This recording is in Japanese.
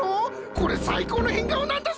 これ最高の変顔なんだぞ！？